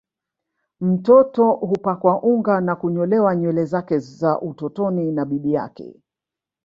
Mtoto hupakwa unga na kunyolewa nywele zake za utotoni na bibi yake